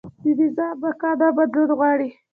د نظام بقا دا بدلون غواړي.